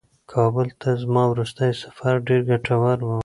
کابل ته زما وروستی سفر ډېر ګټور و.